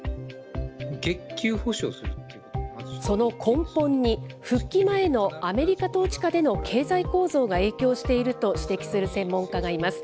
その根本に、復帰前のアメリカ統治下での経済構造が影響していると指摘する専門家がいます。